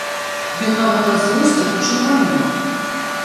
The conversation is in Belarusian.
Ён нават ад злосці пачырванеў.